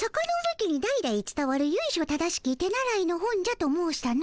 家に代々つたわるゆいしょ正しき手習いの本じゃと申したの。